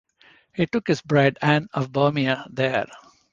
He took his bride Anne of Bohemia there.